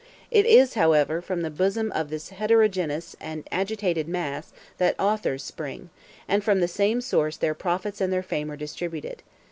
It is, however, from the bosom of this heterogeneous and agitated mass that authors spring; and from the same source their profits and their fame are distributed.